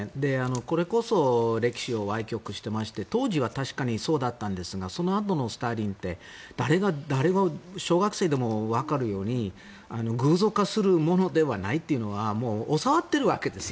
これこそ歴史をわい曲していまして当時は確かにそうだったんですがそのあとのスターリンって誰が小学生でもわかるように偶像化するものではないというようなことは教わっているわけですよ。